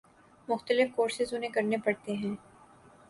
مختلف کورسز انہیں کرنے پڑتے ہیں۔